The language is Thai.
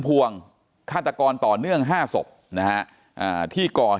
เป็นวันที่๑๕ธนวาคมแต่คุณผู้ชมค่ะกลายเป็นวันที่๑๕ธนวาคม